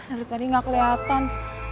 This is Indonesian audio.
dari tadi gak kelihatan